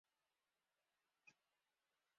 The dishes are typical of Southern cuisine.